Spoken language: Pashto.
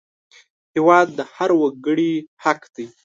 هېواد د هر وګړي حق دی